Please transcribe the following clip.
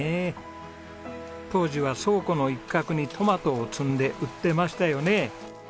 当時は倉庫の一角にトマトを積んで売ってましたよね。